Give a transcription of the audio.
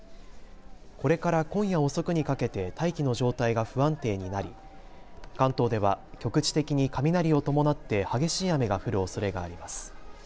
これから今夜遅くにかけて大気の状態が不安定になり、関東では局地的に雷を伴って激しい雨が降るおそれがあります。